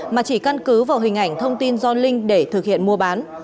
mà chỉ căn cứ vào hình ảnh thông tin do linh để thực hiện mua bán